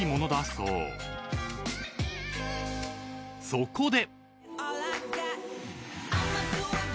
［そこで］